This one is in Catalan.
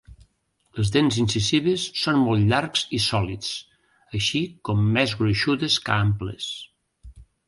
Les dents incisives són molt llargs i sòlids, així com més gruixudes que amples.